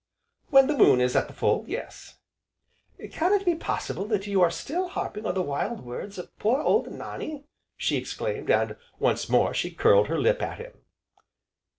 "When the moon is at the full, yes." "Can it be possible that you are still harping on the wild words of poor old Nannie?" she exclaimed, and once more, she curled her lip at him.